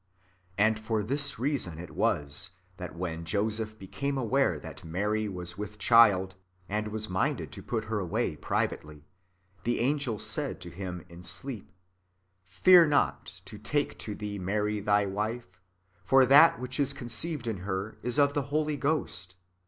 And for this reason it was, that when Joseph became aware that Mary was with child, and was minded to put her away privily, the angel said to him in sleep :" Fear not to take to thee Mary thy wife ; for that which is conceived in her is of the Holy Ghost.